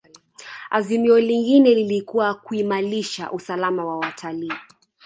azimio lingine lilikuwa kuimalisha usalama wa watalii